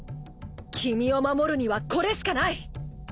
君を守るにはこれしかない！